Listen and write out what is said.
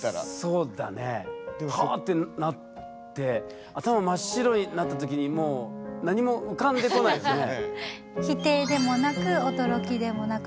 そうだねわってなって頭真っ白になったときにもう何も浮かんでこないですよね。